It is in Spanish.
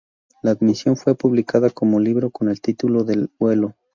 La admisión fue publicada como libro, con el título de "El vuelo".